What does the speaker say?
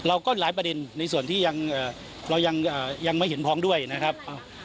เราก็หลายประเด็นในส่วนที่เรายังไม่เห็นพ้องด้วยนะครับ